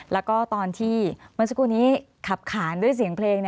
แล้วก็ตอนที่เมื่อสักครู่นี้ขับขานด้วยเสียงเพลง